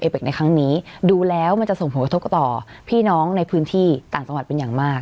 บันดาลใบจุดเรกดูแล้วที่จะส่งผงกระทบต่อในพื้นที่ต่างจังหวัดน้อง